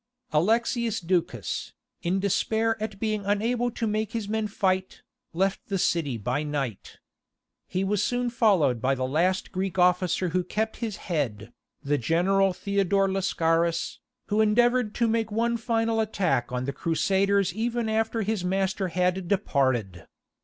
Alexius Ducas, in despair at being unable to make his men fight, left the city by night. He was soon followed by the last Greek officer who kept his head, the general Theodore Lascaris, who endeavoured to make one final attack on the Crusaders even after his master had departed.